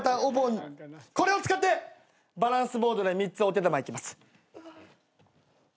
これを使ってバランスボードで３つお手玉いきます。